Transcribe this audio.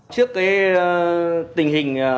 trước cái tình hình